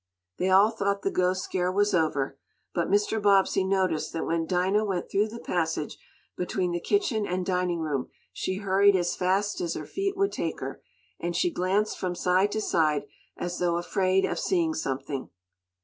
They all thought the "ghost" scare was over, but Mr. Bobbsey noticed that when Dinah went through the passage between the kitchen and dining room, she hurried as fast as her feet would take her, and she glanced from side to side, as though afraid of seeing something.